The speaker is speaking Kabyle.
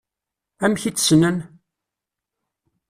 Amek i tt-ssnen?